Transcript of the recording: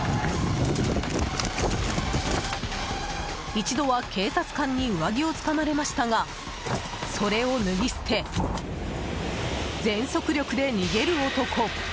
一度は警察官に上着をつかまれましたがそれを脱ぎ捨て全速力で逃げる男。